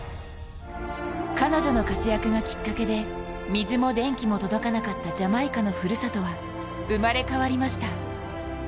彼女の活躍がきっかけで水も電気も届かなかったジャマイカのふるさとは生まれ変わりました。